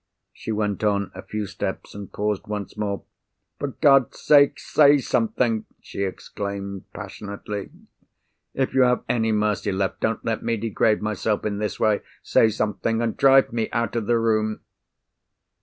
She went on a few steps, and paused once more. "For God's sake, say something!" she exclaimed, passionately. "If you have any mercy left, don't let me degrade myself in this way! Say something—and drive me out of the room!"